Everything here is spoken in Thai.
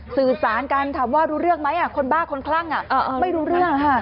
สื่อสารกันถามว่ารู้เรื่องไหมคนบ้าคนคลั่งไม่รู้เรื่องค่ะ